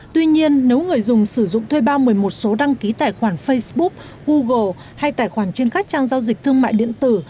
tuy nhiên nếu người dùng sử dụng thuê bao một mươi một số đăng ký tài khoản facebook google hay tài khoản trên các trang giao dịch thương mại điện tử